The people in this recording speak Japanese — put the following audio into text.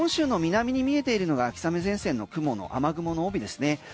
本州の南に見えているのが秋雨前線の雲の雨雲の帯ですね